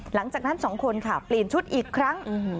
หลังจากนั้นสองคนค่ะเปลี่ยนชุดอีกครั้ง